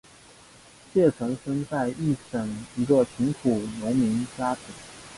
谢臣生在易县一个贫苦农民家庭。